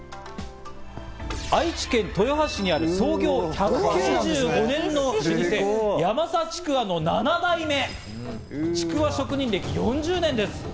愛知県豊橋市にある創業１９５年の老舗・ヤマサちくわの７代目、ちくわ職人歴４０年です。